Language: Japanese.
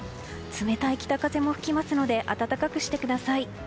冷たい北風も吹きますので暖かくしてください。